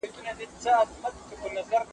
زه کولای سم سبزېجات وچوم!!